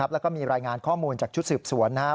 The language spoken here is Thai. แล้วก็มีรายงานข้อมูลจากชุดสืบสวนนะครับ